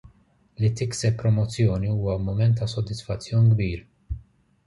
Li tikseb promozzjoni huwa mument ta' sodisfazzjon kbir.